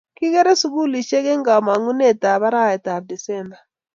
Kikerei sugulisyet eng kamung'etab arawetab december